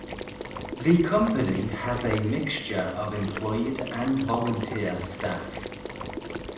The company has a mixture of employed and volunteer staff.